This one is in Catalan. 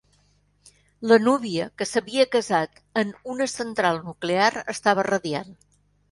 La núvia, que s'havia casat en una central nuclear, estava radiant.